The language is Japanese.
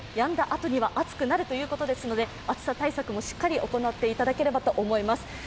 あとには暑くなるということですので暑さ対策もしっかり行っていただければと思います。